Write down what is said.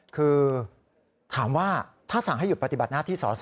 คือถามว่าถ้าสั่งให้หยุดปฏิบัติหน้าที่สอสอ